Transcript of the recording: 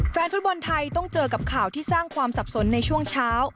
แฟนฟุตบอลไทยต้องเจอกับข่าวที่สร้างความสับสนในช่วงเช้า